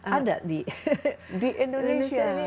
ada di indonesia